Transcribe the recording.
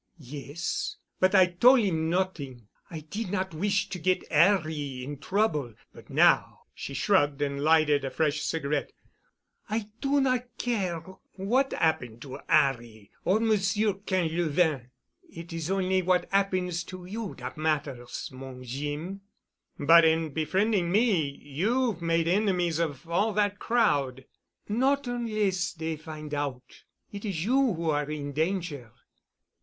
"Yes. But I tol' 'im not'ing. I did not wish to get 'Arry in trouble. But now——," she shrugged and lighted a fresh cigarette. "I do not care about what 'appen to 'Arry or Monsieur Quinlevin. It is only what 'appens to you dat matters, mon Jeem. "But in befriending me you've made enemies of all that crowd——" "Not onless dey find out. It is you who are in danger.